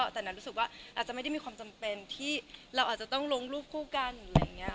แต่นัทรู้สึกว่าอาจจะไม่ได้มีความจำเป็นที่เราอาจจะต้องลงรูปคู่กันหรืออะไรอย่างนี้